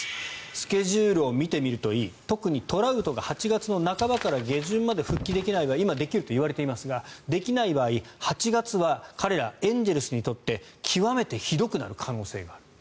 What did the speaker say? スケジュールを見てみるといい特にトラウトが８月半ばから下旬まで復帰できない場合今できるといわれていますができない場合、８月は彼らエンゼルスにとって極めてひどくなる可能性がある。